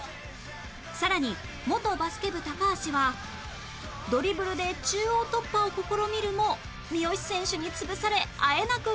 さらに元バスケ部高橋はドリブルで中央突破を試みるも三好選手に潰されあえなく撃沈